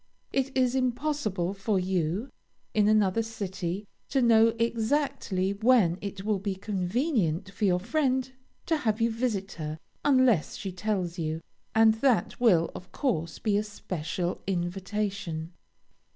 It is impossible for you, in another city, to know exactly when it will be convenient for your friend to have you visit her, unless she tells you, and that will, of course, be a special invitation.